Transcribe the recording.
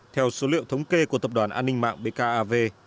theo số liệu thống kê của tập đoàn an ninh mạng bkav